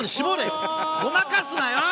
「Ｏｈ」ごまかすなよ！